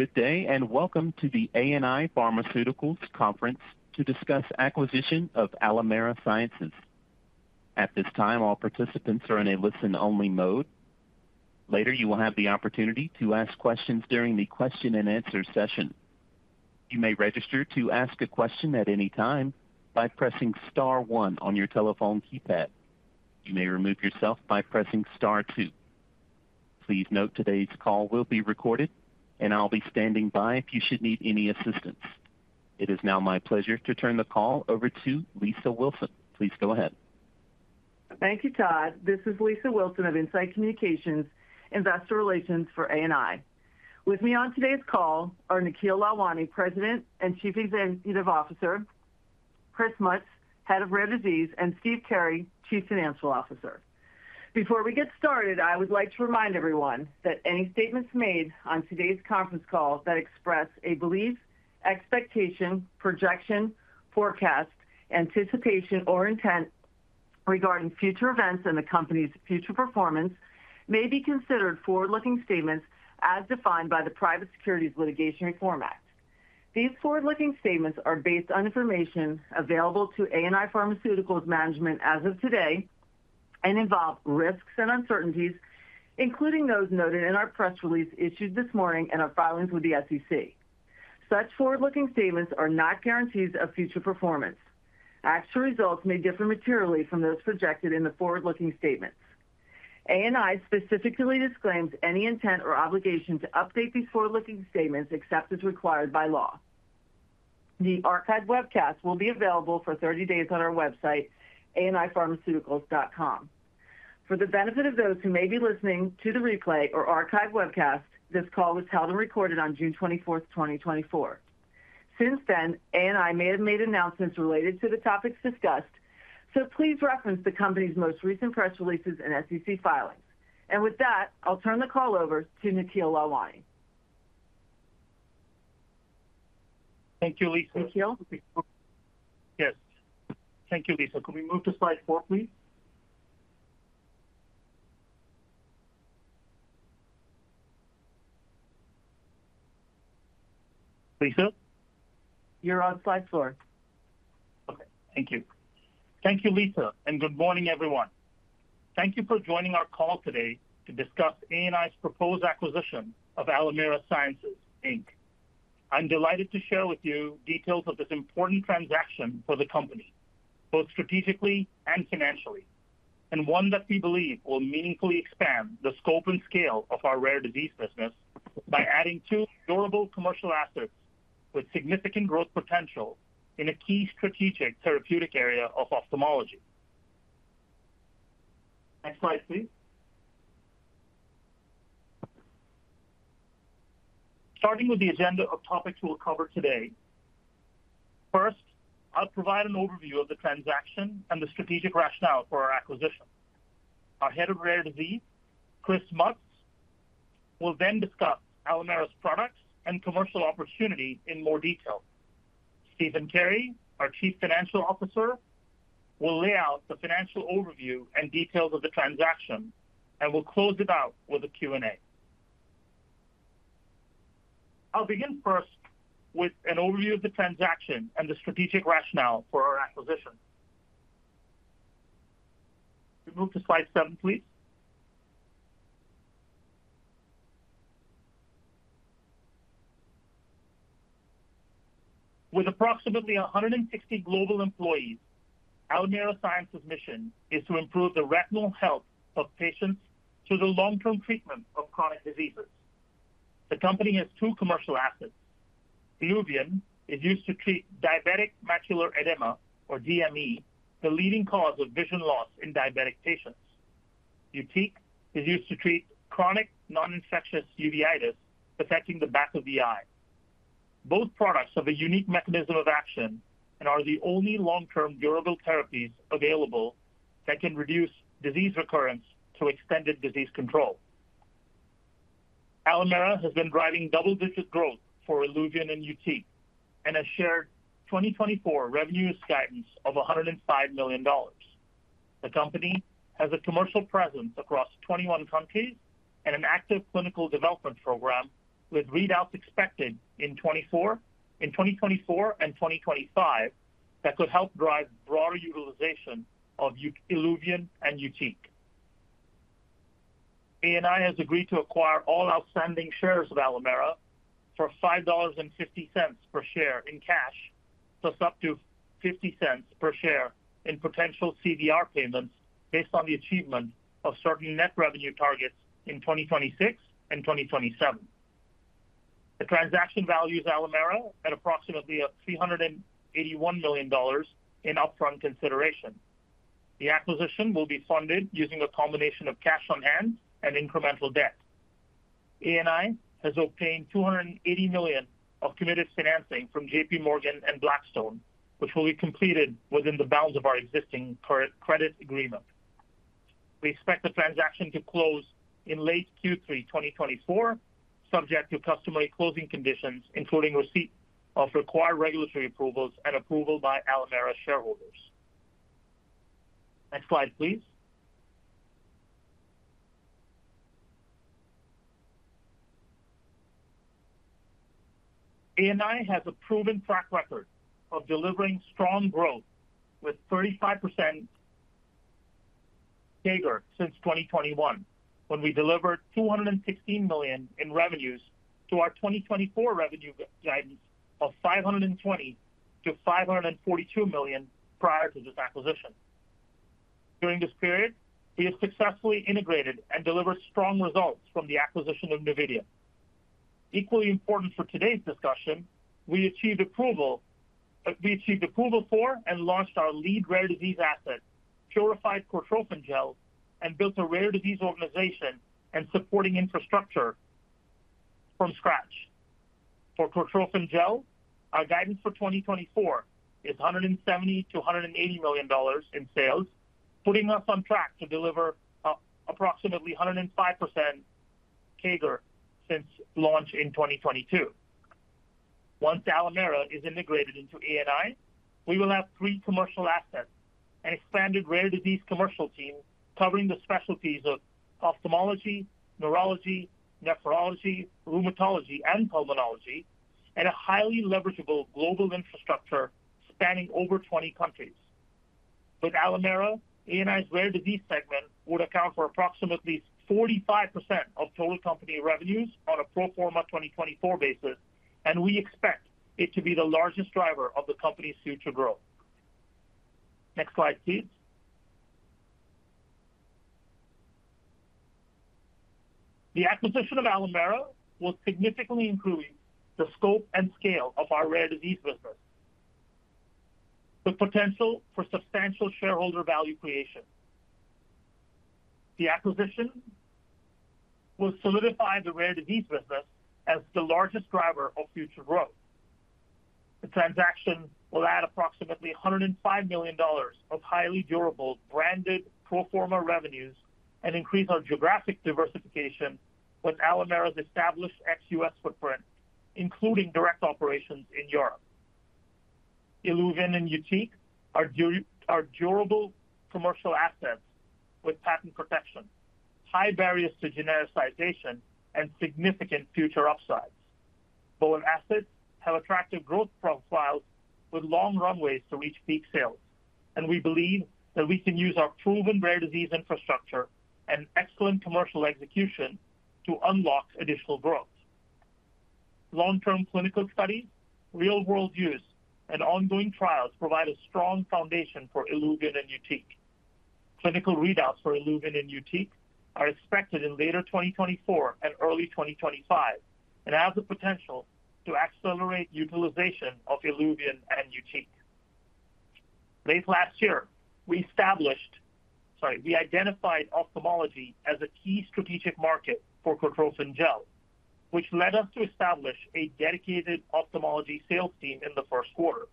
Good day and welcome to the ANI Pharmaceuticals Conference to discuss acquisition of Alimera Sciences. At this time, all participants are in a listen-only mode. Later, you will have the opportunity to ask questions during the question-and-answer session. You may register to ask a question at any time by pressing Star 1 on your telephone keypad. You may remove yourself by pressing Star 2. Please note today's call will be recorded, and I'll be standing by if you should need any assistance. It is now my pleasure to turn the call over to Lisa Wilson. Please go ahead. Thank you, Todd. This is Lisa Wilson of In-Site Communications, investor relations for ANI. With me on today's call are Nikhil Lalwani, President and Chief Executive Officer, Chris Mutz, Head of Rare Disease, and Steve Carey, Chief Financial Officer. Before we get started, I would like to remind everyone that any statements made on today's conference call that express a belief, expectation, projection, forecast, anticipation, or intent regarding future events and the company's future performance may be considered forward-looking statements as defined by the Private Securities Litigation Reform Act. These forward-looking statements are based on information available to ANI Pharmaceuticals Management as of today and involve risks and uncertainties, including those noted in our press release issued this morning and our filings with the SEC. Such forward-looking statements are not guarantees of future performance. Actual results may differ materially from those projected in the forward-looking statements. ANI specifically disclaims any intent or obligation to update these forward-looking statements except as required by law. The archived webcast will be available for 30 days on our website, anipharmaceuticals.com. For the benefit of those who may be listening to the replay or archived webcast, this call was held and recorded on June 24, 2024. Since then, ANI may have made announcements related to the topics discussed, so please reference the company's most recent press releases and SEC filings. With that, I'll turn the call over to Nikhil Lalwani. Thank you, Lisa. Nikhil? Yes. Thank you, Lisa. Could we move to slide 4, please? Lisa? You're on slide four. Okay. Thank you. Thank you, Lisa, and good morning, everyone. Thank you for joining our call today to discuss ANI's proposed acquisition of Alimera Sciences, Inc. I'm delighted to share with you details of this important transaction for the company, both strategically and financially, and one that we believe will meaningfully expand the scope and scale of our rare disease business by adding two durable commercial assets with significant growth potential in a key strategic therapeutic area of ophthalmology. Next slide, please. Starting with the agenda of topics we'll cover today, first, I'll provide an overview of the transaction and the strategic rationale for our acquisition. Our head of rare disease, Chris Mutz, will then discuss Alimera's products and commercial opportunity in more detail. Stephen Carey, our Chief Financial Officer, will lay out the financial overview and details of the transaction and will close it out with a Q&A. I'll begin first with an overview of the transaction and the strategic rationale for our acquisition. We move to slide 7, please. With approximately 160 global employees, Alimera Sciences' mission is to improve the retinal health of patients through the long-term treatment of chronic diseases. The company has two commercial assets. ILUVIEN is used to treat diabetic macular edema, or DME, the leading cause of vision loss in diabetic patients. YUTIQ is used to treat chronic non-infectious uveitis affecting the back of the eye. Both products have a unique mechanism of action and are the only long-term durable therapies available that can reduce disease recurrence to extended disease control. Alimera has been driving double-digit growth for ILUVIEN and YUTIQ and has shared 2024 revenue guidance of $105 million. The company has a commercial presence across 21 countries and an active clinical development program with readouts expected in 2024 and 2025 that could help drive broader utilization of ILUVIEN and YUTIQ. ANI has agreed to acquire all outstanding shares of Alimera for $5.50 per share in cash, plus up to $0.50 per share in potential CVR payments based on the achievement of certain net revenue targets in 2026 and 2027. The transaction values Alimera at approximately $381 million in upfront consideration. The acquisition will be funded using a combination of cash on hand and incremental debt. ANI has obtained $280 million of committed financing from J.P. Morgan and Blackstone, which will be completed within the bounds of our existing credit agreement. We expect the transaction to close in late Q3 2024, subject to customary closing conditions, including receipt of required regulatory approvals and approval by Alimera shareholders. Next slide, please. ANI has a proven track record of delivering strong growth with 35% CAGR since 2021, when we delivered $216 million in revenues to our 2024 revenue guidance of $520 million-$542 million prior to this acquisition. During this period, we have successfully integrated and delivered strong results from the acquisition of Novitium. Equally important for today's discussion, we achieved approval for and launched our lead rare disease asset, Purified Cortrophin Gel, and built a rare disease organization and supporting infrastructure from scratch. For Cortrophin Gel, our guidance for 2024 is $170 million-$180 million in sales, putting us on track to deliver approximately 105% CAGR since launch in 2022. Once Alimera is integrated into ANI, we will have three commercial assets and an expanded rare disease commercial team covering the specialties of ophthalmology, neurology, nephrology, rheumatology, and pulmonology, and a highly leverageable global infrastructure spanning over 20 countries. With Alimera, ANI's rare disease segment would account for approximately 45% of total company revenues on a pro forma 2024 basis, and we expect it to be the largest driver of the company's future growth. Next slide, please. The acquisition of Alimera will significantly improve the scope and scale of our rare disease business, with potential for substantial shareholder value creation. The acquisition will solidify the rare disease business as the largest driver of future growth. The transaction will add approximately $105 million of highly durable branded pro forma revenues and increase our geographic diversification with Alimera's established ex-US footprint, including direct operations in Europe. ILUVIEN and YUTIQ are durable commercial assets with patent protection, high barriers to genericization, and significant future upsides. Both assets have attractive growth profiles with long runways to reach peak sales, and we believe that we can use our proven rare disease infrastructure and excellent commercial execution to unlock additional growth. Long-term clinical studies, real-world use, and ongoing trials provide a strong foundation for ILUVIEN and YUTIQ. Clinical readouts for ILUVIEN and YUTIQ are expected in later 2024 and early 2025 and have the potential to accelerate utilization of ILUVIEN and YUTIQ. Late last year, we identified ophthalmology as a key strategic market for Cortrophin Gel, which led us to establish a dedicated ophthalmology sales team in the first quarter.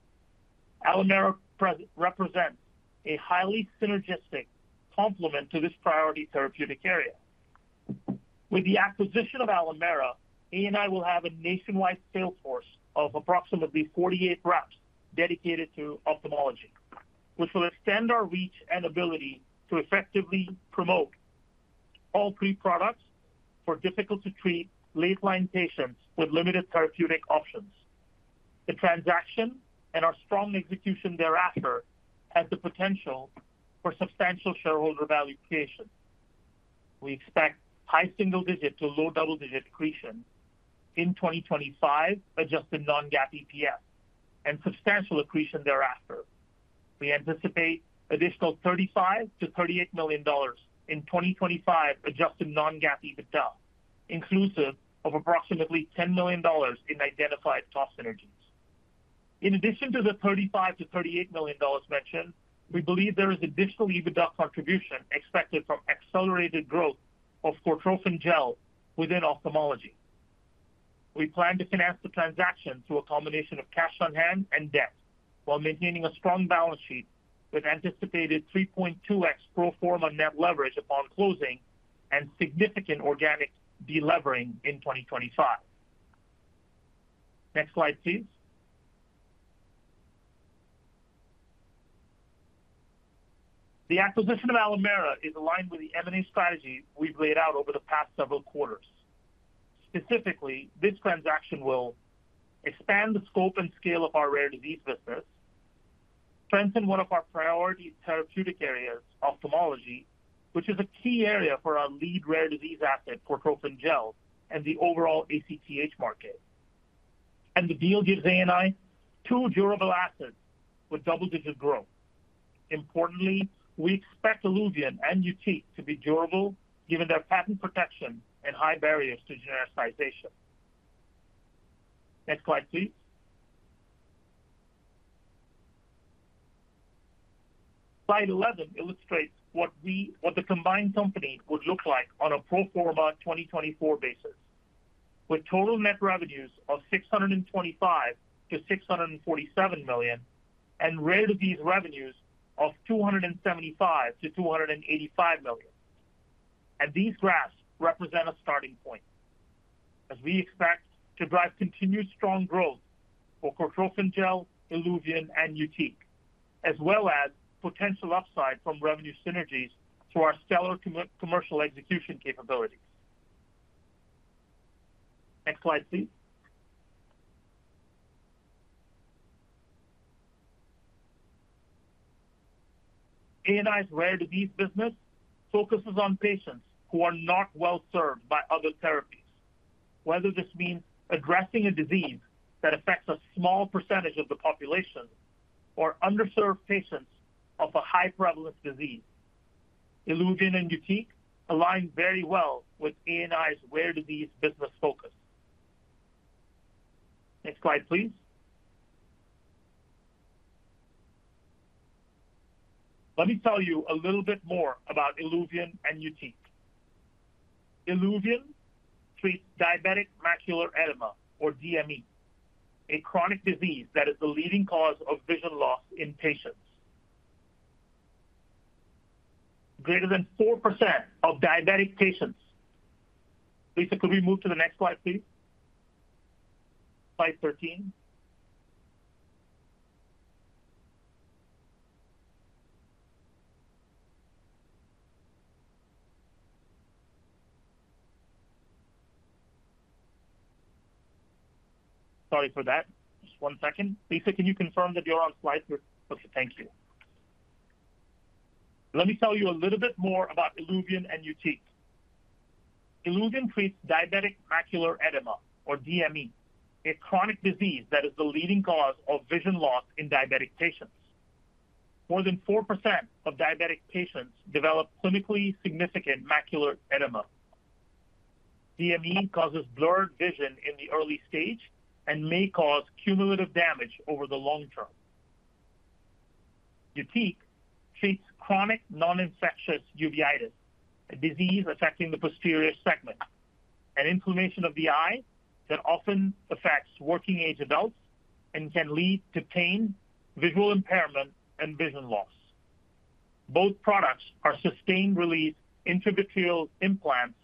Alimera represents a highly synergistic complement to this priority therapeutic area. With the acquisition of Alimera, ANI will have a nationwide sales force of approximately 48 reps dedicated to ophthalmology, which will extend our reach and ability to effectively promote all our products for difficult-to-treat late-line patients with limited therapeutic options. The transaction and our strong execution thereafter have the potential for substantial shareholder value creation. We expect high single-digit to low double-digit accretion in 2025, adjusted non-GAAP EPS, and substantial accretion thereafter. We anticipate additional $35-$38 million in 2025, adjusted non-GAAP EBITDA, inclusive of approximately $10 million in identified cost synergies. In addition to the $35-$38 million mentioned, we believe there is additional EBITDA contribution expected from accelerated growth of Cortrophin Gel within ophthalmology. We plan to finance the transaction through a combination of cash on hand and debt while maintaining a strong balance sheet with anticipated 3.2x pro forma net leverage upon closing and significant organic delevering in 2025. Next slide, please. The acquisition of Alimera is aligned with the M&A strategy we've laid out over the past several quarters. Specifically, this transaction will expand the scope and scale of our rare disease business, strengthen one of our priority therapeutic areas, ophthalmology, which is a key area for our lead rare disease asset, Cortrophin Gel, and the overall ACTH market. And the deal gives ANI two durable assets with double-digit growth. Importantly, we expect ILUVIEN and YUTIQ to be durable given their patent protection and high barriers to genericization. Next slide, please. Slide 11 illustrates what the combined company would look like on a pro forma 2024 basis, with total net revenues of $625-$647 million and rare disease revenues of $275-$285 million. These graphs represent a starting point as we expect to drive continued strong growth for Cortrophin Gel, ILUVIEN, and YUTIQ, as well as potential upside from revenue synergies through our stellar commercial execution capabilities. Next slide, please. ANI's rare disease business focuses on patients who are not well served by other therapies, whether this means addressing a disease that affects a small percentage of the population or underserved patients of a high-prevalence disease. ILUVIEN and YUTIQ align very well with ANI's rare disease business focus. Next slide, please. Let me tell you a little bit more about ILUVIEN and YUTIQ. ILUVIEN treats diabetic macular edema, or DME, a chronic disease that is the leading cause of vision loss in patients greater than 4% of diabetic patients. Lisa, could we move to the next slide, please? Slide 13. Sorry for that. Just one second. Lisa, can you confirm that you're on slide? Okay. Thank you. Let me tell you a little bit more about ILUVIEN and YUTIQ. ILUVIEN treats diabetic macular edema, or DME, a chronic disease that is the leading cause of vision loss in diabetic patients. More than 4% of diabetic patients develop clinically significant macular edema. DME causes blurred vision in the early stage and may cause cumulative damage over the long term. YUTIQ treats chronic non-infectious uveitis, a disease affecting the posterior segment, an inflammation of the eye that often affects working-age adults and can lead to pain, visual impairment, and vision loss. Both products are sustained-release intravitreal implants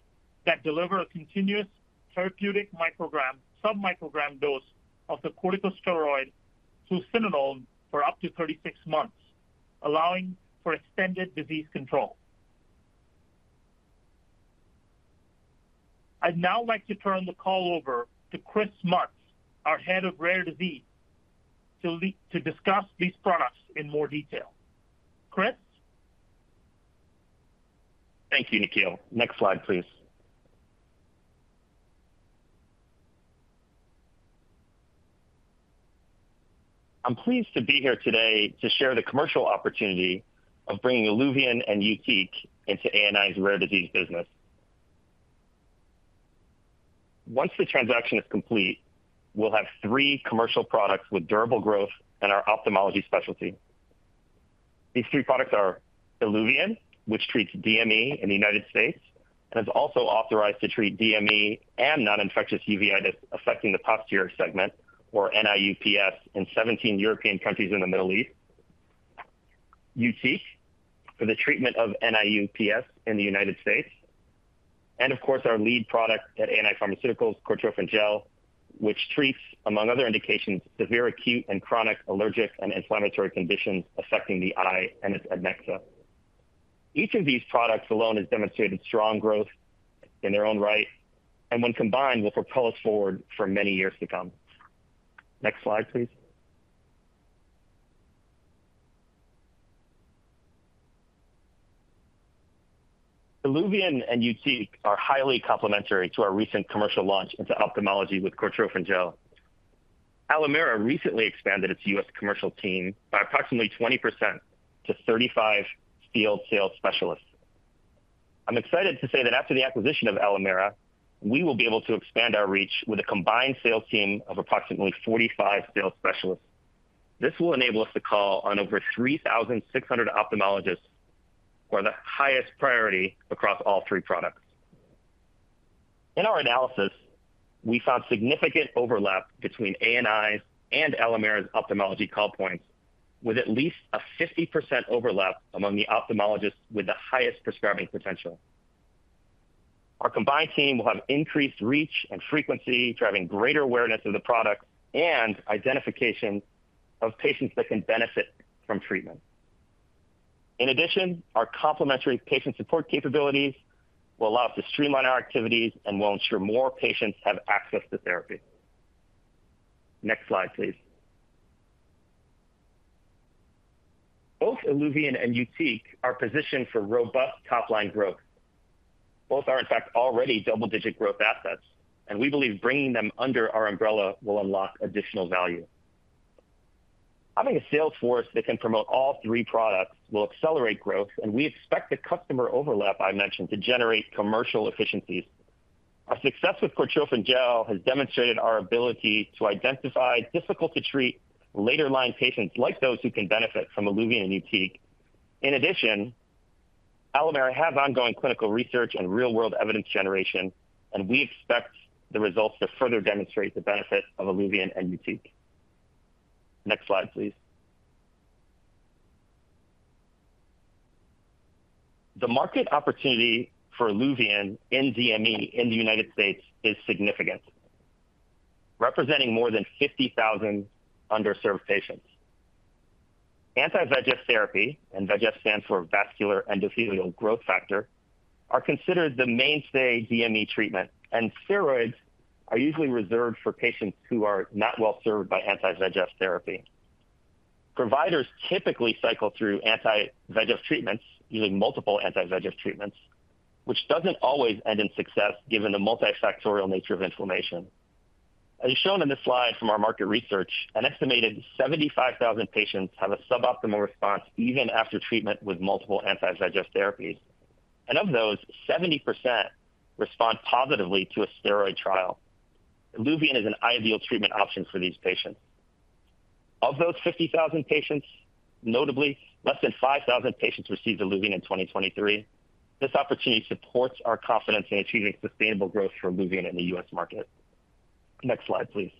that deliver a continuous therapeutic microgram, submicrogram dose of the corticosteroid fluocinolone for up to 36 months, allowing for extended disease control. I'd now like to turn the call over to Chris Mutz, our head of rare disease, to discuss these products in more detail. Chris? Thank you, Nikhil. Next slide, please. I'm pleased to be here today to share the commercial opportunity of bringing ILUVIEN and YUTIQ into ANI's rare disease business. Once the transaction is complete, we'll have three commercial products with durable growth and our ophthalmology specialty. These three products are ILUVIEN, which treats DME in the United States and is also authorized to treat DME and non-infectious uveitis affecting the posterior segment, or NIU-PS, in 17 European countries in the Middle East. YUTIQ for the treatment of NIU-PS in the United States. And, of course, our lead product at ANI Pharmaceuticals, Cortrophin Gel, which treats, among other indications, severe acute and chronic allergic and inflammatory conditions affecting the eye and its adnexa. Each of these products alone has demonstrated strong growth in their own right, and when combined, will propel us forward for many years to come. Next slide, please. ILUVIEN and YUTIQ are highly complementary to our recent commercial launch into ophthalmology with Cortrophin Gel. Alimera recently expanded its U.S. commercial team by approximately 20%-35 field sales specialists. I'm excited to say that after the acquisition of Alimera, we will be able to expand our reach with a combined sales team of approximately 45 sales specialists. This will enable us to call on over 3,600 ophthalmologists for the highest priority across all three products. In our analysis, we found significant overlap between ANI's and Alimera's ophthalmology call points, with at least a 50% overlap among the ophthalmologists with the highest prescribing potential. Our combined team will have increased reach and frequency, driving greater awareness of the products and identification of patients that can benefit from treatment. In addition, our complementary patient support capabilities will allow us to streamline our activities and will ensure more patients have access to therapy. Next slide, please. Both ILUVIEN and YUTIQ are positioned for robust top-line growth. Both are, in fact, already double-digit growth assets, and we believe bringing them under our umbrella will unlock additional value. Having a sales force that can promote all three products will accelerate growth, and we expect the customer overlap I mentioned to generate commercial efficiencies. Our success with Cortrophin Gel has demonstrated our ability to identify difficult-to-treat later-line patients like those who can benefit from ILUVIEN and YUTIQ. In addition, Alimera has ongoing clinical research and real-world evidence generation, and we expect the results to further demonstrate the benefit of ILUVIEN and YUTIQ. Next slide, please. The market opportunity for ILUVIEN in DME in the United States is significant, representing more than 50,000 underserved patients. Anti-VEGF therapy, and VEGF stands for vascular endothelial growth factor, are considered the mainstay DME treatment, and steroids are usually reserved for patients who are not well served by anti-VEGF therapy. Providers typically cycle through anti-VEGF treatments, usually multiple anti-VEGF treatments, which doesn't always end in success given the multifactorial nature of inflammation. As shown in this slide from our market research, an estimated 75,000 patients have a suboptimal response even after treatment with multiple anti-VEGF therapies, and of those, 70% respond positively to a steroid trial. ILUVIEN is an ideal treatment option for these patients. Of those 50,000 patients, notably, less than 5,000 patients received ILUVIEN in 2023. This opportunity supports our confidence in achieving sustainable growth for ILUVIEN in the U.S. market. Next slide, please.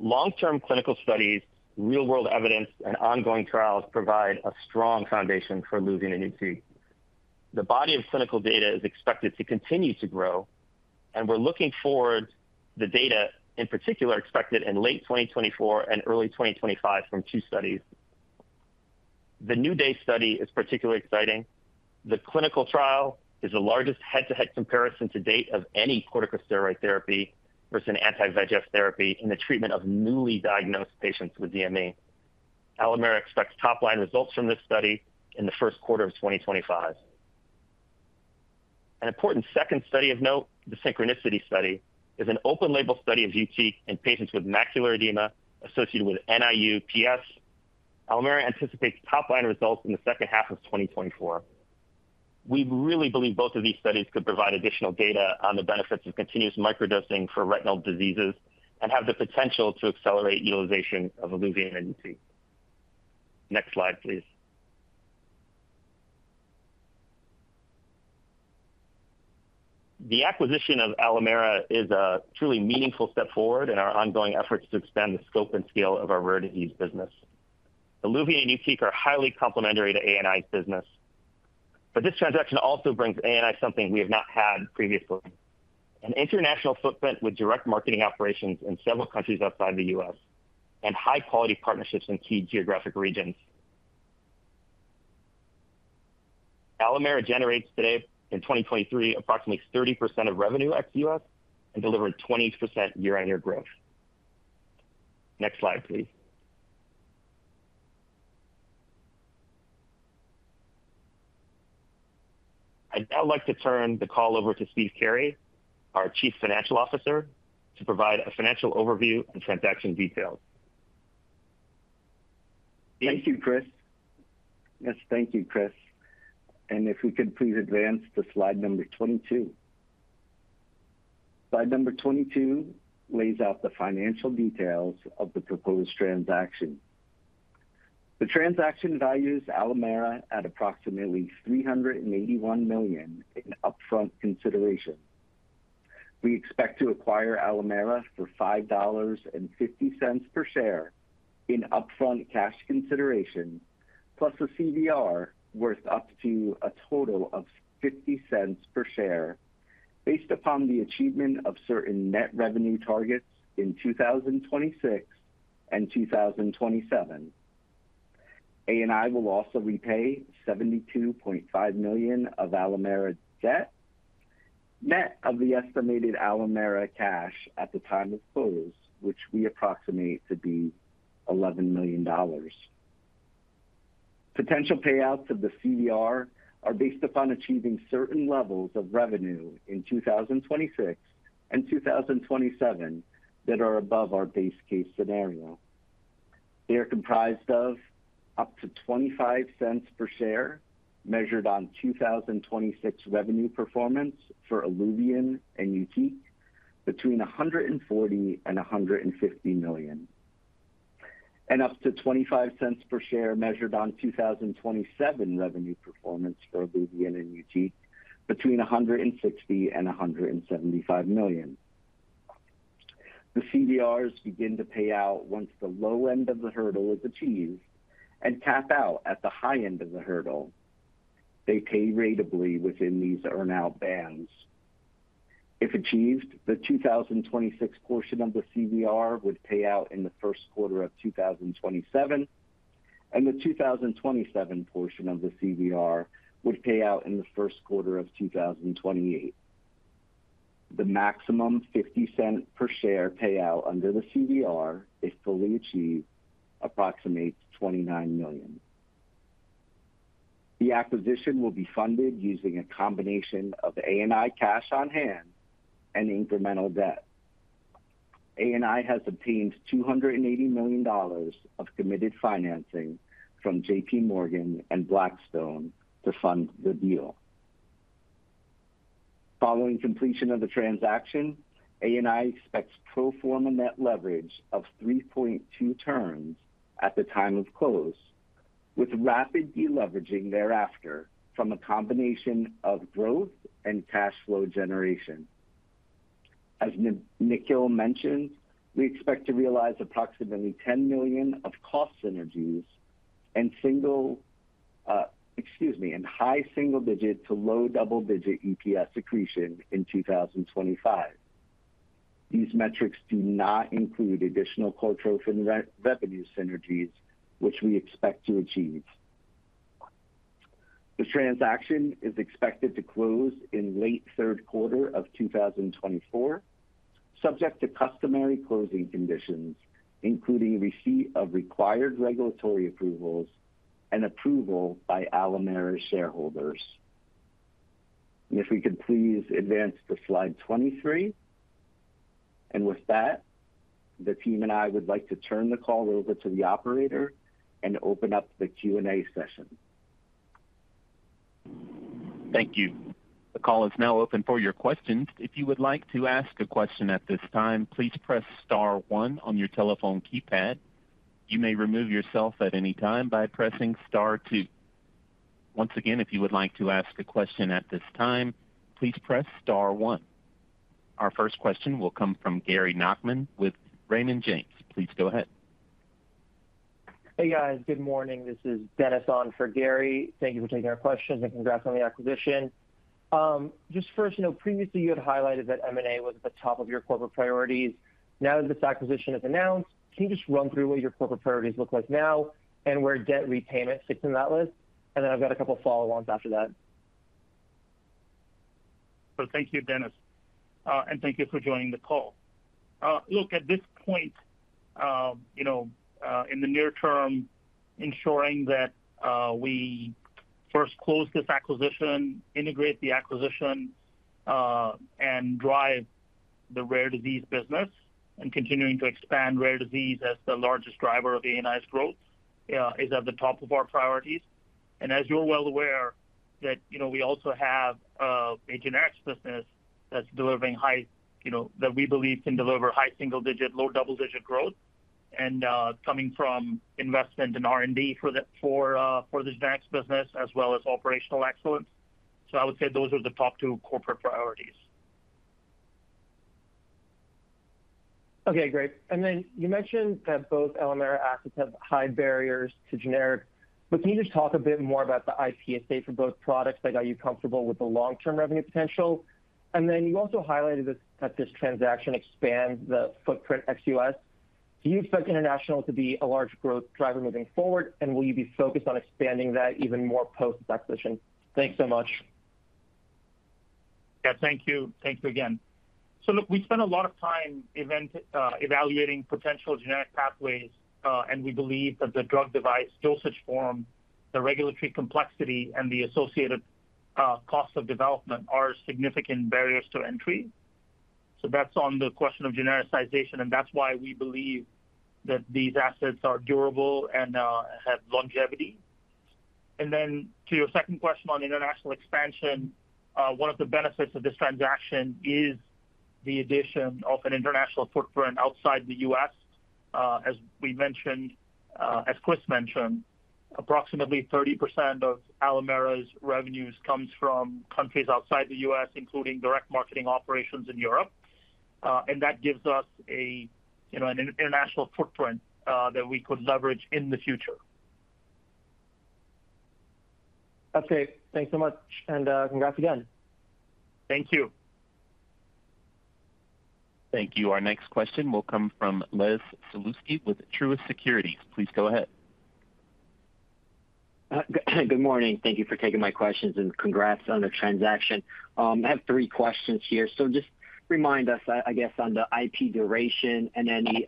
Long-term clinical studies, real-world evidence, and ongoing trials provide a strong foundation for ILUVIEN and YUTIQ. The body of clinical data is expected to continue to grow, and we're looking forward to the data, in particular, expected in late 2024 and early 2025 from two studies. The New Day study is particularly exciting. The clinical trial is the largest head-to-head comparison to date of any corticosteroid therapy versus an anti-VEGF therapy in the treatment of newly diagnosed patients with DME. Alimera expects top-line results from this study in the first quarter of 2025. An important second study of note, the synchronicity study, is an open-label study of YUTIQ in patients with macular edema associated with NIU-PS. Alimera anticipates top-line results in the second half of 2024. We really believe both of these studies could provide additional data on the benefits of continuous microdosing for retinal diseases and have the potential to accelerate utilization of ILUVIEN and YUTIQ. Next slide, please. The acquisition of Alimera is a truly meaningful step forward in our ongoing efforts to expand the scope and scale of our rare disease business. ILUVIEN and YUTIQ are highly complementary to ANI's business, but this transaction also brings ANI something we have not had previously: an international footprint with direct marketing operations in several countries outside the U.S. and high-quality partnerships in key geographic regions. Alimera generates today, in 2023, approximately 30% of revenue ex-U.S. and delivered 20% year-on-year growth. Next slide, please. I'd now like to turn the call over to Steve Carey, our Chief Financial Officer, to provide a financial overview and transaction details. Thank you, Chris. Yes, thank you, Chris. And if we could please advance to slide number 22. Slide number 22 lays out the financial details of the proposed transaction. The transaction values Alimera at approximately $381 million in upfront consideration. We expect to acquire Alimera for $5.50 per share in upfront cash consideration, plus a CVR worth up to a total of $0.50 per share based upon the achievement of certain net revenue targets in 2026 and 2027. ANI will also repay $72.5 million of Alimera debt net of the estimated Alimera cash at the time of close, which we approximate to be $11 million. Potential payouts of the CVR are based upon achieving certain levels of revenue in 2026 and 2027 that are above our base case scenario. They are comprised of up to $0.25 per share measured on 2026 revenue performance for ILUVIEN and YUTIQ between $140 million and $150 million, and up to $0.25 per share measured on 2027 revenue performance for ILUVIEN and YUTIQ between $160 million and $175 million. The CVRs begin to pay out once the low end of the hurdle is achieved and cap out at the high end of the hurdle. They pay ratably within these earn-out bands. If achieved, the 2026 portion of the CVR would pay out in the first quarter of 2027, and the 2027 portion of the CVR would pay out in the first quarter of 2028. The maximum $0.50 per share payout under the CVR, if fully achieved, approximates $29 million. The acquisition will be funded using a combination of ANI cash on hand and incremental debt. ANI has obtained $280 million of committed financing from J.P. Morgan and Blackstone to fund the deal. Following completion of the transaction, ANI expects pro forma net leverage of 3.2 turns at the time of close, with rapid deleveraging thereafter from a combination of growth and cash flow generation. As Nikhil mentioned, we expect to realize approximately $10 million of cost synergies and single, excuse me, and high single-digit to low double-digit EPS accretion in 2025. These metrics do not include additional Cortrophin revenue synergies, which we expect to achieve. The transaction is expected to close in late third quarter of 2024, subject to customary closing conditions, including receipt of required regulatory approvals and approval by Alimera shareholders. If we could please advance to slide 23. With that, the team and I would like to turn the call over to the operator and open up the Q&A session. Thank you. The call is now open for your questions. If you would like to ask a question at this time, please press Star 1 on your telephone keypad. You may remove yourself at any time by pressing Star 2. Once again, if you would like to ask a question at this time, please press Star 1. Our first question will come from Gary Nachman with Raymond James. Please go ahead. Hey, guys. Good morning. This is Dennis on for Gary. Thank you for taking our questions and congrats on the acquisition. Just first, previously, you had highlighted that M&A was at the top of your corporate priorities. Now that this acquisition is announced, can you just run through what your corporate priorities look like now and where debt repayment sits in that list? And then I've got a couple of follow-ons after that. So thank you, Dennis. And thank you for joining the call. Look, at this point, in the near term, ensuring that we first close this acquisition, integrate the acquisition, and drive the rare disease business, and continuing to expand rare disease as the largest driver of ANI's growth is at the top of our priorities. And as you're well aware, we also have a genetics business that's delivering high—that we believe can deliver high single-digit, low double-digit growth, and coming from investment in R&D for the genetics business as well as operational excellence. So I would say those are the top two corporate priorities. Okay, great. And then you mentioned that both Alimera assets have high barriers to generic. But can you just talk a bit more about the IP estate for both products that got you comfortable with the long-term revenue potential? And then you also highlighted that this transaction expands the footprint ex U.S. Do you expect international to be a large growth driver moving forward, and will you be focused on expanding that even more post-acquisition? Thanks so much. Yeah, thank you. Thank you again. So look, we spent a lot of time evaluating potential generic pathways, and we believe that the drug device dosage form, the regulatory complexity, and the associated cost of development are significant barriers to entry. So that's on the question of genericization, and that's why we believe that these assets are durable and have longevity. And then to your second question on international expansion, one of the benefits of this transaction is the addition of an international footprint outside the U.S. As we mentioned, as Chris mentioned, approximately 30% of Alimera's revenues comes from countries outside the U.S., including direct marketing operations in Europe. And that gives us an international footprint that we could leverage in the future. Okay. Thanks so much. And congrats again. Thank you. Thank you. Our next question will come from Les Sulewski with Truist Securities. Please go ahead. Good morning. Thank you for taking my questions and congrats on the transaction. I have three questions here. Just remind us, I guess, on the IP duration and any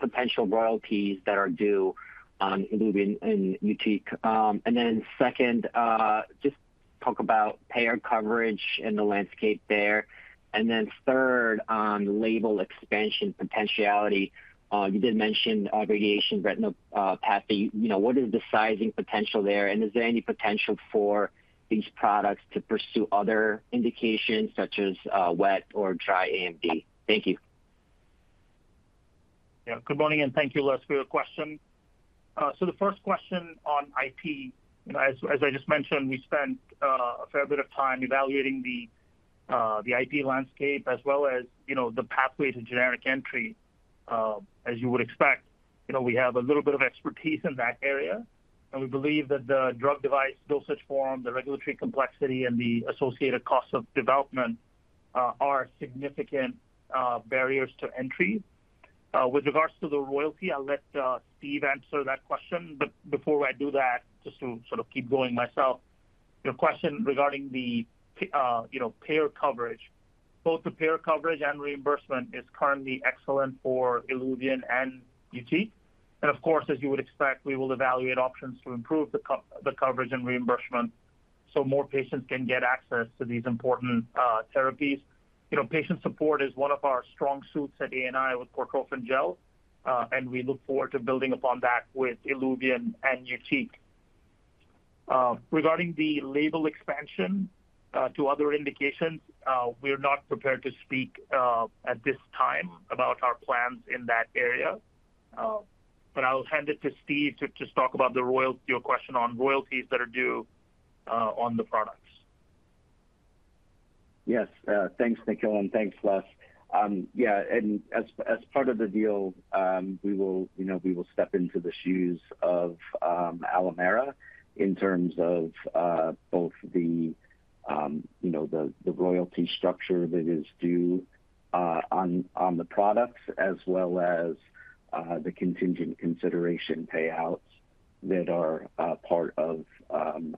potential royalties that are due on ILUVIEN and YUTIQ. Then second, just talk about payer coverage and the landscape there. Then third, on label expansion potentiality. You did mention abbreviated retinal path. What is the sizing potential there? And is there any potential for these products to pursue other indications such as wet or dry AMD? Thank you. Yeah. Good morning and thank you, Liz, for your question. So the first question on IP, as I just mentioned, we spent a fair bit of time evaluating the IP landscape as well as the pathway to generic entry, as you would expect. We have a little bit of expertise in that area, and we believe that the drug device dosage form, the regulatory complexity, and the associated cost of development are significant barriers to entry. With regards to the royalty, I'll let Steve answer that question. But before I do that, just to sort of keep going myself, your question regarding the payer coverage. Both the payer coverage and reimbursement is currently excellent for ILUVIEN and YUTIQ. And of course, as you would expect, we will evaluate options to improve the coverage and reimbursement so more patients can get access to these important therapies. Patient support is one of our strong suits at ANI with Cortrophin Gel, and we look forward to building upon that with ILUVIEN and YUTIQ. Regarding the label expansion to other indications, we're not prepared to speak at this time about our plans in that area. But I'll hand it to Steve to just talk about your question on royalties that are due on the products. Yes. Thanks, Nikhil, and thanks, Liz. Yeah. And as part of the deal, we will step into the shoes of Alimera in terms of both the royalty structure that is due on the products as well as the contingent consideration payouts that are part of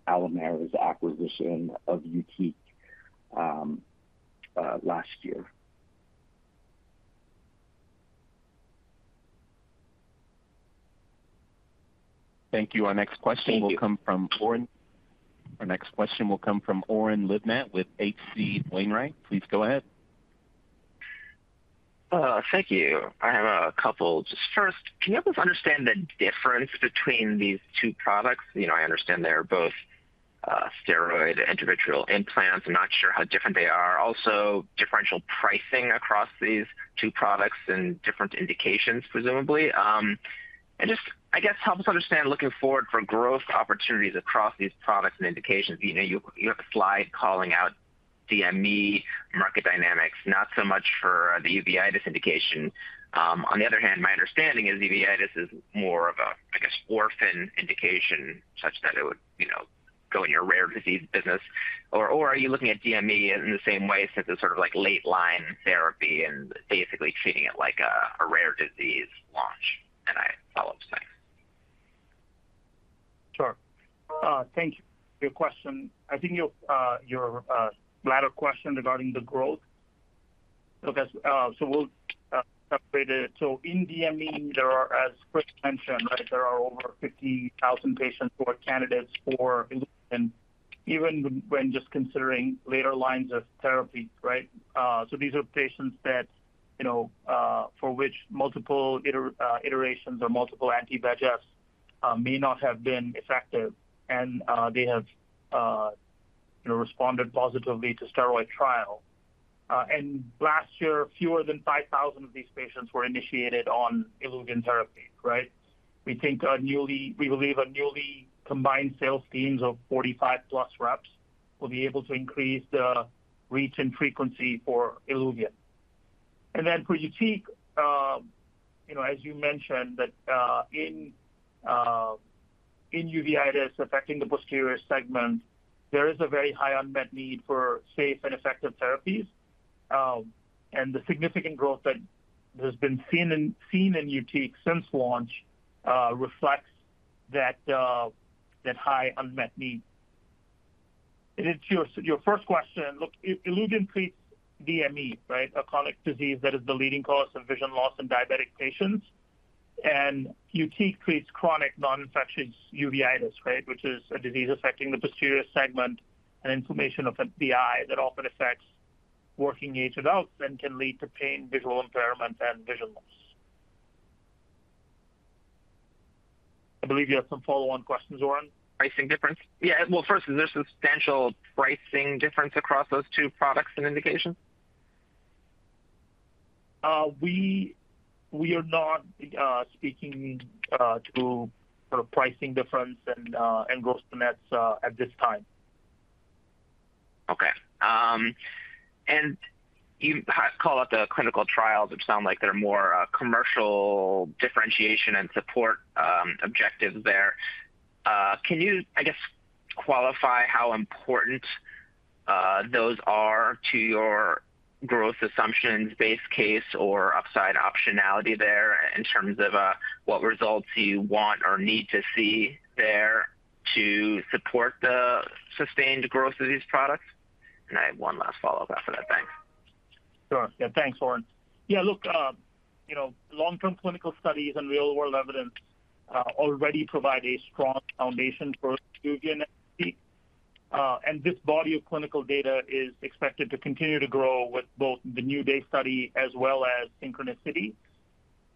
Alimera's acquisition of YUTIQ last year. Thank you. Our next question will come from Oren. Our next question will come from Oren Livnat with H.C. Wainwright. Please go ahead. Thank you. I have a couple. Just first, can you help us understand the difference between these two products? I understand they're both steroid intravitreal implants. I'm not sure how different they are. Also, differential pricing across these two products and different indications, presumably. And just, I guess, help us understand looking forward for growth opportunities across these products and indications. You have a slide calling out DME market dynamics, not so much for the uveitis indication. On the other hand, my understanding is uveitis is more of a, I guess, orphan indication such that it would go in your rare disease business. Or are you looking at DME in the same way since it's sort of like late-line therapy and basically treating it like a rare disease launch? And I follow up to that. Sure. Thank you. Your question, I think your latter question regarding the growth. So we'll separate it. So in DME, there are, as Chris mentioned, right, there are over 50,000 patients who are candidates for ILUVIEN, even when just considering later lines of therapy, right? So these are patients for which multiple iterations or multiple anti-VEGFs may not have been effective, and they have responded positively to steroid trial. And last year, fewer than 5,000 of these patients were initiated on ILUVIEN therapy, right? We believe a newly combined sales team of 45+ reps will be able to increase the reach and frequency for ILUVIEN. And then for YUTIQ, as you mentioned, that in uveitis affecting the posterior segment, there is a very high unmet need for safe and effective therapies. And the significant growth that has been seen in YUTIQ since launch reflects that high unmet need. Your first question, look, ILUVIEN treats DME, right, a chronic disease that is the leading cause of vision loss in diabetic patients. And YUTIQ treats chronic non-infectious uveitis, right, which is a disease affecting the posterior segment and inflammation of the eye that often affects working age adults and can lead to pain, visual impairment, and vision loss. I believe you have some follow-on questions, Oren. Pricing difference? Yeah. Well, first, is there a substantial pricing difference across those two products and indications? We are not speaking to sort of pricing difference and gross nets at this time. Okay. And you call out the clinical trials, which sound like they're more commercial differentiation and support objectives there. Can you, I guess, qualify how important those are to your growth assumptions, base case, or upside optionality there in terms of what results you want or need to see there to support the sustained growth of these products? And I have one last follow-up after that. Thanks. Sure. Yeah. Thanks, Oren. Yeah. Look, long-term clinical studies and real-world evidence already provide a strong foundation for ILUVIEN and YUTIQ. And this body of clinical data is expected to continue to grow with both the new day study as well as synchronicity.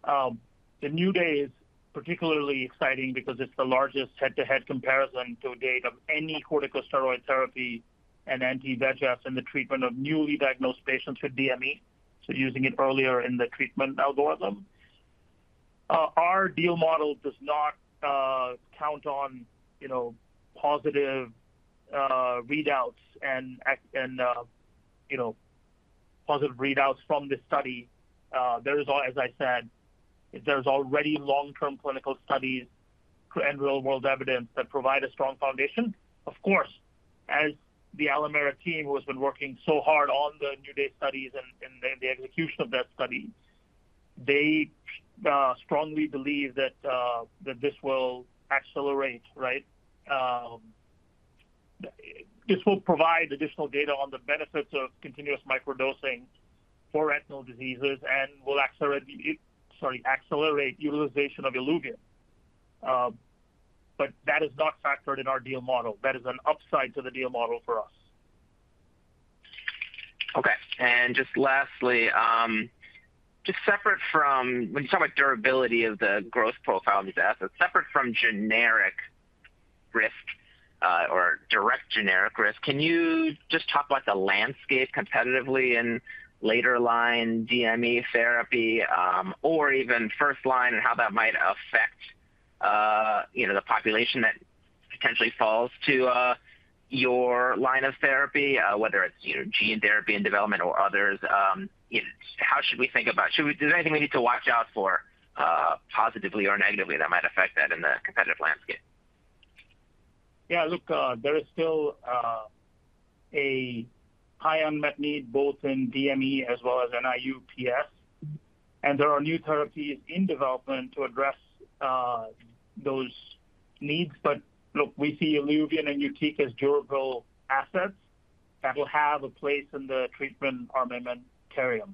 The new day is particularly exciting because it's the largest head-to-head comparison to date of any corticosteroid therapy and anti-VEGFs in the treatment of newly diagnosed patients with DME, so using it earlier in the treatment algorithm. Our deal model does not count on positive readouts and positive readouts from this study. There is, as I said, there's already long-term clinical studies and real-world evidence that provide a strong foundation. Of course, as the Alimera team who has been working so hard on the new DME studies and the execution of that study, they strongly believe that this will accelerate, right? This will provide additional data on the benefits of continuous microdosing for retinal diseases and will accelerate utilization of ILUVIEN. But that is not factored in our deal model. That is an upside to the deal model for us. Okay. And just lastly, just separate from when you talk about durability of the growth profile of these assets, separate from generic risk or direct generic risk, can you just talk about the landscape competitively in later-line DME therapy or even first line and how that might affect the population that potentially falls to your line of therapy, whether it's gene therapy and development or others? How should we think about it? Is there anything we need to watch out for positively or negatively that might affect that in the competitive landscape? Yeah. Look, there is still a high unmet need both in DME as well as NIU-PS. And there are new therapies in development to address those needs. But look, we see ILUVIEN and YUTIQ as durable assets that will have a place in the treatment armamentarium.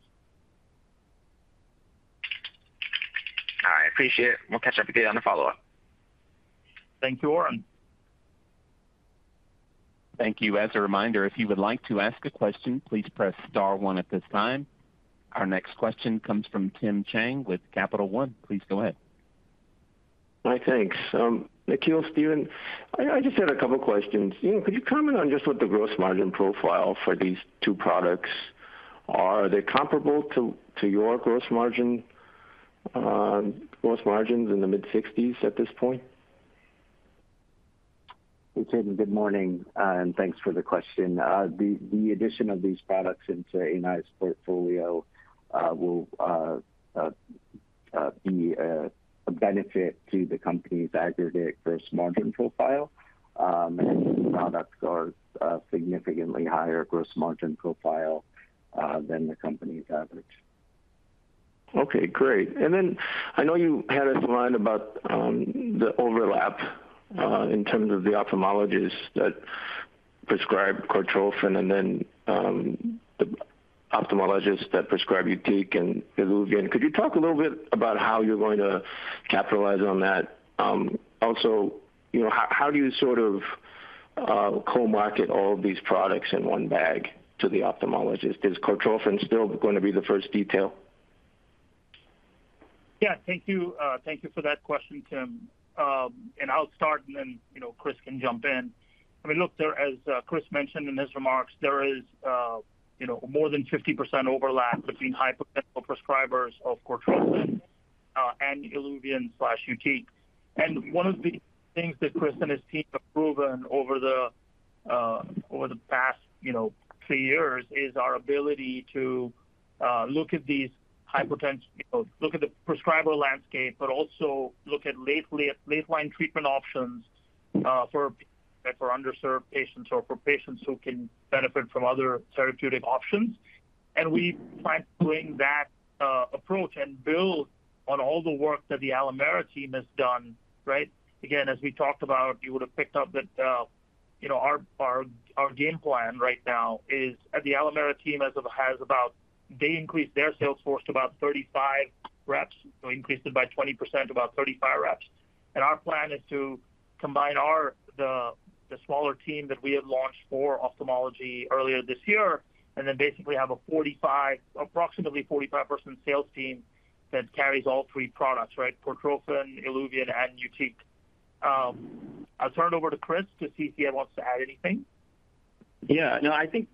All right. I appreciate it. We'll catch up with you on a follow-up. Thank you, Oren. Thank you. As a reminder, if you would like to ask a question, please press star one at this time. Our next question comes from Tim Chiang with Capital One. Please go ahead. Hi, thanks. Nikhil, Stephen, I just had a couple of questions. Could you comment on just what the gross margin profile for these two products are? Are they comparable to your gross margins in the mid-60s at this point? Okay. Good morning. And thanks for the question. The addition of these products into ANI's portfolio will be a benefit to the company's aggregate gross margin profile. And these products are significantly higher gross margin profile than the company's average. Okay. Great. And then I know you had a line about the overlap in terms of the ophthalmologists that prescribe Cortrophin and then the ophthalmologists that prescribe YUTIQ and ILUVIEN. Could you talk a little bit about how you're going to capitalize on that? Also, how do you sort of co-market all of these products in one bag to the ophthalmologist? Is Cortrophin still going to be the first detail? Yeah. Thank you for that question, Tim. And I'll start, and then Chris can jump in. I mean, look, as Chris mentioned in his remarks, there is more than 50% overlap between high-potential prescribers of Cortrophin and ILUVIEN/YUTIQ. And one of the things that Chris and his team have proven over the past three years is our ability to look at these high-potential, look at the prescriber landscape, but also look at late-line treatment options for underserved patients or for patients who can benefit from other therapeutic options. And we plan to bring that approach and build on all the work that the Alimera team has done, right? Again, as we talked about, you would have picked up that our game plan right now is the Alimera team has about they increased their sales force to about 35 reps, so increased it by 20% to about 35 reps. Our plan is to combine the smaller team that we had launched for ophthalmology earlier this year and then basically have approximately a 45% sales team that carries all three products, right? Cortrophin, ILUVIEN, and YUTIQ. I'll turn it over to Chris to see if he wants to add anything. Yeah. No, I think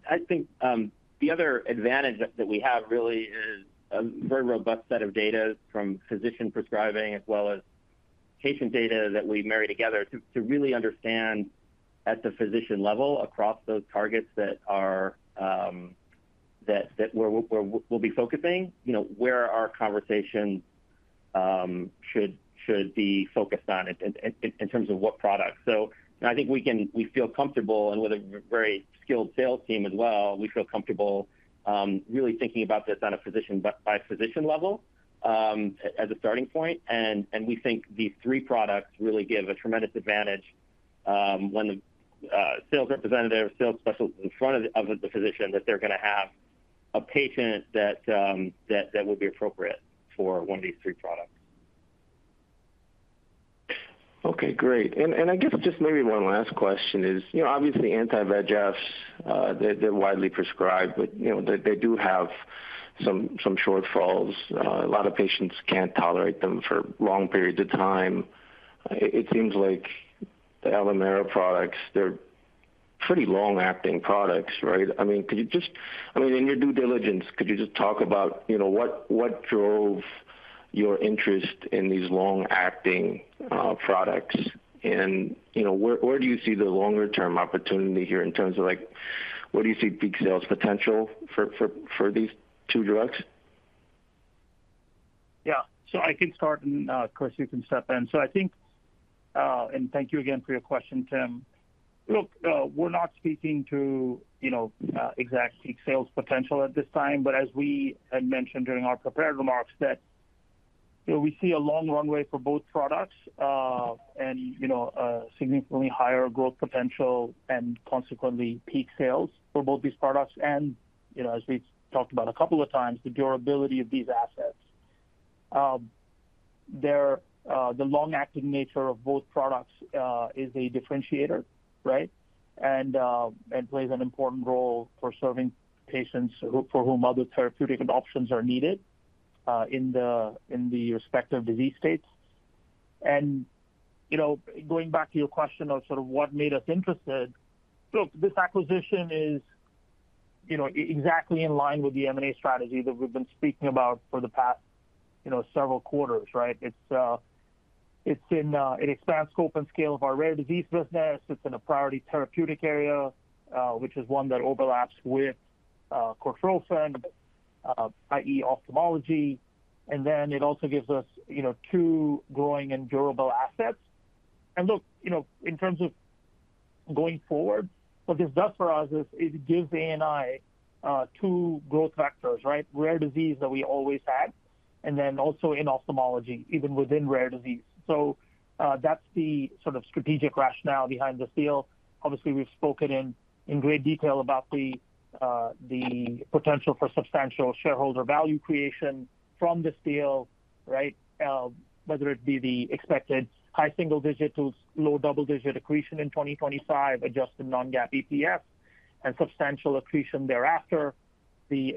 the other advantage that we have really is a very robust set of data from physician prescribing as well as patient data that we marry together to really understand at the physician level across those targets that we'll be focusing, where our conversations should be focused on in terms of what products. So I think we feel comfortable, and with a very skilled sales team as well, we feel comfortable really thinking about this on a physician-by-physician level as a starting point. And we think these three products really give a tremendous advantage when the sales representative, sales specialist in front of the physician, that they're going to have a patient that would be appropriate for one of these three products. Okay. Great. And I guess just maybe one last question is, obviously, anti-VEGFs, they're widely prescribed, but they do have some shortfalls. A lot of patients can't tolerate them for long periods of time. It seems like the Alimera products, they're pretty long-acting products, right? I mean, could you just, I mean, in your due diligence, could you just talk about what drove your interest in these long-acting products? And where do you see the longer-term opportunity here in terms of what do you see peak sales potential for these two drugs? Yeah. So I can start, and Chris, you can step in. So I think, and thank you again for your question, Tim. Look, we're not speaking to exact peak sales potential at this time, but as we had mentioned during our prepared remarks, that we see a long runway for both products and significantly higher growth potential and consequently peak sales for both these products. And as we've talked about a couple of times, the durability of these assets, the long-acting nature of both products is a differentiator, right, and plays an important role for serving patients for whom other therapeutic options are needed in the respective disease states. Going back to your question of sort of what made us interested, look, this acquisition is exactly in line with the M&A strategy that we've been speaking about for the past several quarters, right? It expands scope and scale of our rare disease business. It's in a priority therapeutic area, which is one that overlaps with Cortrophin, i.e., ophthalmology. And then it also gives us two growing and durable assets. And look, in terms of going forward, what this does for us is it gives ANI two growth vectors, right? Rare disease that we always had, and then also in ophthalmology, even within rare disease. So that's the sort of strategic rationale behind the deal. Obviously, we've spoken in great detail about the potential for substantial shareholder value creation from this deal, right? Whether it be the expected high single-digit to low double-digit accretion in 2025, adjusted non-GAAP EPS, and substantial accretion thereafter, the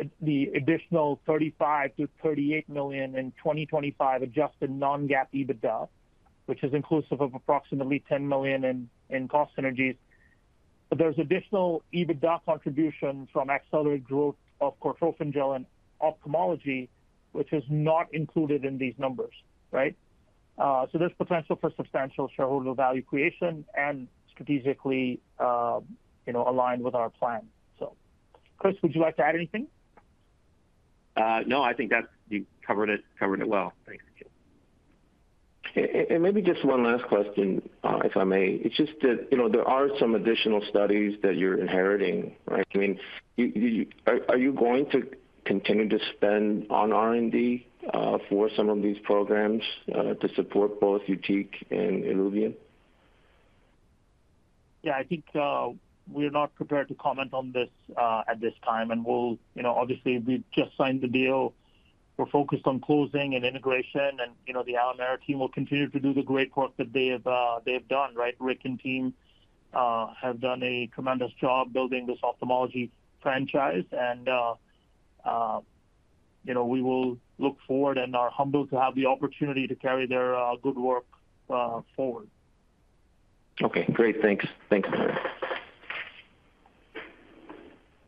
additional $35 million-$38 million in 2025 adjusted non-GAAP EBITDA, which is inclusive of approximately $10 million in cost synergies. But there's additional EBITDA contribution from accelerated growth of Cortrophin Gel in ophthalmology, which is not included in these numbers, right? So there's potential for substantial shareholder value creation and strategically aligned with our plan. So Chris, would you like to add anything? No, I think you covered it well. Thanks. And maybe just one last question, if I may. It's just that there are some additional studies that you're inheriting, right? I mean, are you going to continue to spend on R&D for some of these programs to support both YUTIQ and ILUVIEN? Yeah. I think we're not prepared to comment on this at this time. Obviously, we've just signed the deal. We're focused on closing and integration. The Alimera team will continue to do the great work that they have done, right? Rick and team have done a tremendous job building this ophthalmology franchise. We will look forward and are humbled to have the opportunity to carry their good work forward. Okay. Great. Thanks. Thanks, Tim.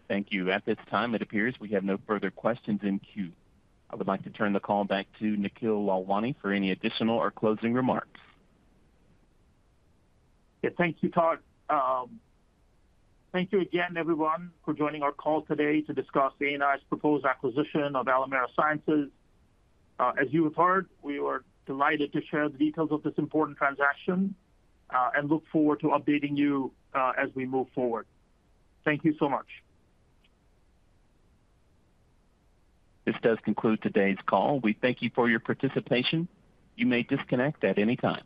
Thank you. At this time, it appears we have no further questions in queue. I would like to turn the call back to Nikhil Lalwani for any additional or closing remarks. Yeah. Thank you, Todd. Thank you again, everyone, for joining our call today to discuss ANI's proposed acquisition of Alimera Sciences. As you have heard, we were delighted to share the details of this important transaction and look forward to updating you as we move forward. Thank you so much. This does conclude today's call. We thank you for your participation. You may disconnect at any time.